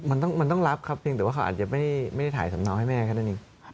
มันต้องมันต้องรับครับเพียงแต่ว่าเขาอาจจะไม่ได้ถ่ายสำนักให้แม่ก็ได้หนึ่ง